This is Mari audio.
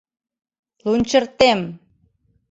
Лунчыртем!!